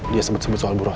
dia sebut sebut soal buruk